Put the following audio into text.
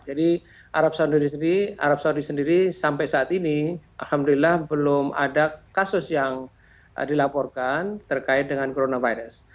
jadi arab saudi sendiri sampai saat ini alhamdulillah belum ada kasus yang dilaporkan terkait dengan coronavirus